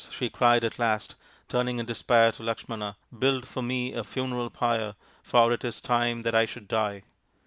" she cried at last, turning in despair to Lakshmana, " build for me a funeral pyre, for it is time that I should die."